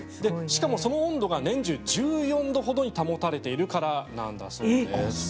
しかも、その温度が年中１４度ほどに保たれているからなんです。